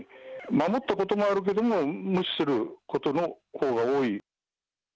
守ったこともあるけども、無視することのほうが多い。